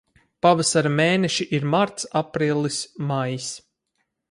Pavasara mēneši ir marts, aprīlis, maijs.